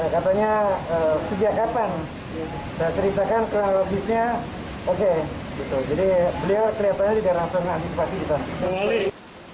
katanya sejak kapan saya ceritakan kronologisnya oke jadi beliau kelihatannya tidak langsung mengantisipasi kita